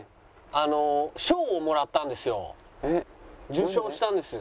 受賞したんです。